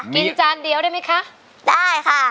จานเดียวได้ไหมคะได้ค่ะ